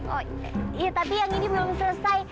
oh iya tapi yang ini belum selesai